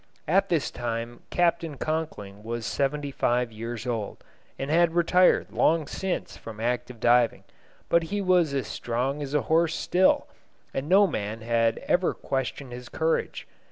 At this time Captain Conkling was seventy five years old, and had retired long since from active diving. But he was as strong as a horse still, and no man had ever questioned his courage.